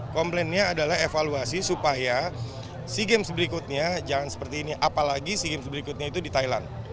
komplainnya adalah evaluasi supaya sea games berikutnya jangan seperti ini apalagi sea games berikutnya itu di thailand